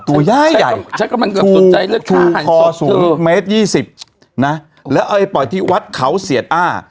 ตัวใหญ่ขอ๐เมตร๒๐แล้วเอาไปปล่อยที่วัดเขาเศียร์อ้า